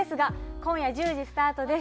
今夜１０時スタートです。